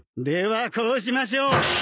ではこうしましょう！